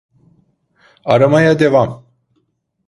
Aramaya devam.